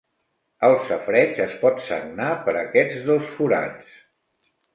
El safareig es pot sagnar per aquests dos forats.